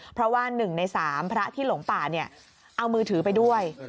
เพราะว่า๑ใน๓พระที่หลงป่าเนี่ยเอามือถือไปด้วย